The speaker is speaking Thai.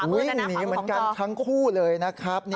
วิ่งหนีเหมือนกันทั้งคู่เลยนะครับ